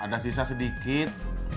ada sisa sedikit